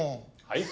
はい。